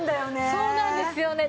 そうなんですよね。